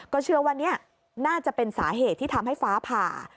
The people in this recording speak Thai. เชื่อว่านี่น่าจะเป็นสาเหตุที่ทำให้ฟ้าผ่า